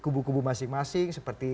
kubu kubu masing masing seperti